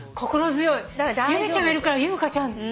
由美ちゃんがいるから優香ちゃん